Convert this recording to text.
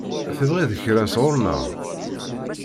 Tebɣiḍ kra sɣur-neɣ?